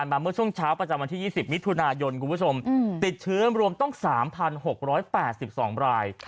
เมื่อช่วงเช้าประจำวันที่๒๐มิถุนายนคุณผู้ชมติดเชื้อรวมต้อง๓๖๘๒ราย